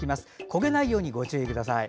焦げないようにご注意ください。